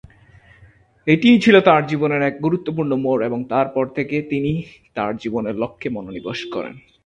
এটিই ছিল তাঁর জীবনের এক গুরুত্বপূর্ণ মোড় এবং তার পর থেকে তিনি তাঁর জীবনের লক্ষ্যে মনোনিবেশ করেন।